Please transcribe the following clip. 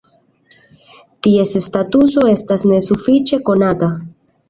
Ties statuso estas nesufiĉe konata.